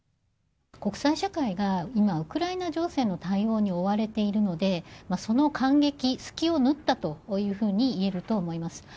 国際社会が今ウクライナ情勢の対応に追われていますのでその間隙隙を縫ったというふうにいえると思います。